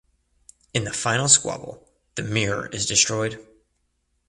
In the final squabble the mirror is destroyed.